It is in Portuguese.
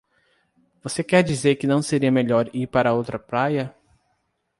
Você quer dizer que não seria melhor ir para outra praia?